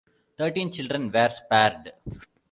Thirteen children were spared.